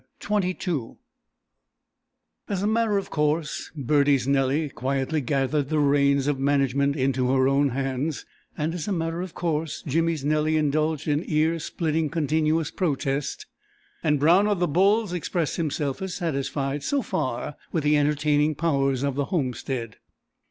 CHAPTER XXII As a matter of course, Bertie's Nellie quietly gathered the reins of management into her own hands, and as a matter of course, Jimmy's Nellie indulged in ear splitting continuous protest, and Brown of the, Bulls expressed himself as satisfied, so far, with the entertaining powers of the homestead.